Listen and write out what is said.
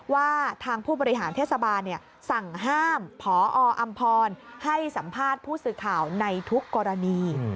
ว่าทางผู้บริหารเทศบาลสั่งห้ามพออำพรให้สัมภาษณ์ผู้สื่อข่าวในทุกกรณี